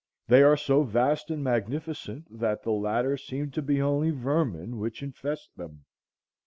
They are so vast and magnificent that the latter seem to be only vermin which infest them.